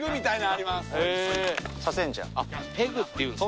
あっペグっていうんですね。